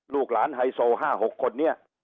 ลูกหลานไฮโซ๕๖คนนี้